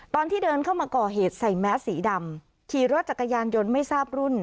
ตอนที่เดินเข้ามาก่อเหตุใส่แมสสีดำขี่รถจักรยานยนต์ไม่ทราบรุ่น